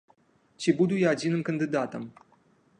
Ці буду я адзіным кандыдатам.